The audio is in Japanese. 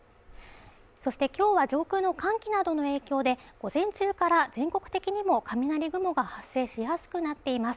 そして今日は上空の寒気などの影響で午前中から全国的にも雷雲が発生しやすくなっています